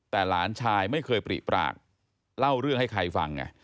แต่หลานชายไม่เคยปริปากเล่าเรื่องให้ใครฟังไง